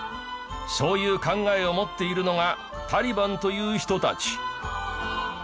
そういう考えを持っているのがタリバンという人たち。